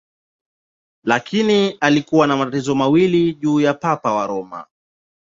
Lakini alikuwa na matatizo mawili juu ya Papa wa Roma.